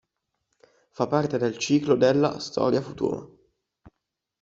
Fa parte del ciclo della "Storia futura".